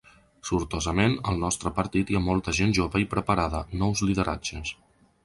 Sortosament, al nostre partit hi ha molta gent jove i preparada, nous lideratges.